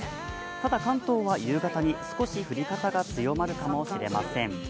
ただ関東は夕方に少し降り方が強まるかもしれません。